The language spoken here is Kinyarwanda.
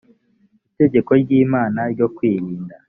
itegeko ry imana ryo kwirinda